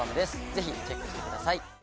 是非チェックしてください。